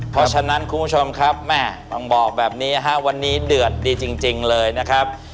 เพราะฉะนั้นคุณผู้ชมครับแม่ต้องบอกแบบนี้ฮะวันนี้เดือดดีจริงเลยนะครับ